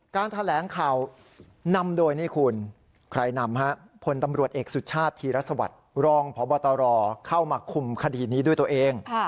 การแถลงข่าวนำโดยนี่คุณใครนำพลตำรวจเอกสุชาติธีรสวัสดิ์รองพบตรเข้ามาคุมคดีนี้ด้วยตัวเอง